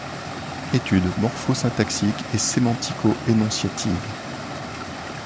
Étude morpho-syntaxique et sémantico-énonciative.